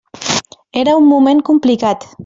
Era un moment complicat.